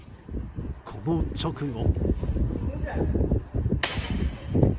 この直後。